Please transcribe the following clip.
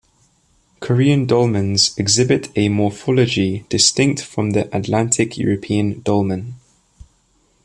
Korean dolmens exhibit a morphology distinct from the Atlantic European dolmen.